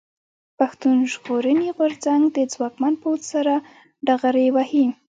پښتون ژغورني غورځنګ د ځواکمن پوځ سره ډغرې وهي.